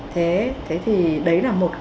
thế thì đấy là một cái